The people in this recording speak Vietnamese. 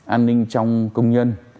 an ninh trong công nhân